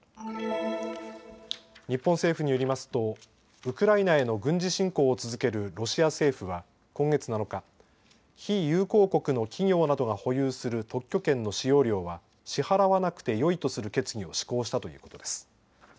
日本政府によりますとウクライナへの軍事侵攻を続けるロシア政府は今月７日、非友好国の企業などが保有する特許権の使用料は支払わなくてよいとする決議を施行したということです。